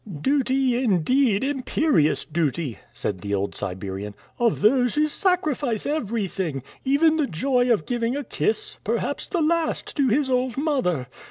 "Duty, indeed, imperious duty," said the old Siberian, "of those who sacrifice everything, even the joy of giving a kiss, perhaps the last, to his old mother.